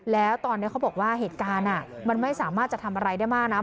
แล้วตอนนี้เขาบอกว่าเหตุการณ์มันไม่สามารถจะทำอะไรได้มากนะ